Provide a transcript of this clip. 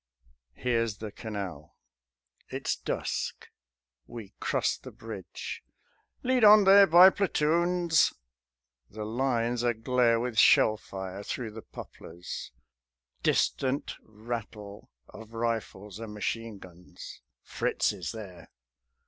_" Here's the Canal: it's dusk; we cross the bridge. "Lead on there by platoons." The Line's a glare With shell fire through the poplars; distant rattle Of rifles and machine guns. "_Fritz is there!